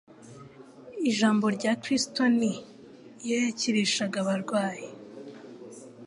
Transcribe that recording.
Ijambo rya Kristo ni iyo yakirishaga abarwayi,